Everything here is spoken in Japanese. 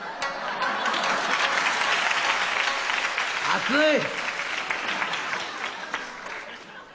熱い！